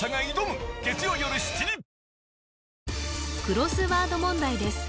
クロスワード問題です